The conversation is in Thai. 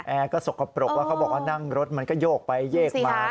แอร์ก็สกปรกว่าเขาบอกว่านั่งรถมันก็โยกไปโยกมา